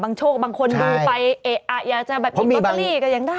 บางโชคบางคนดูไปอยากจะปิดกอตเตอรี่ก็ยังได้